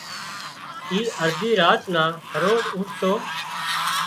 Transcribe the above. اي ارڌي راچ نا هروز اُوٺتو